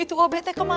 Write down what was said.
itu obetnya kemana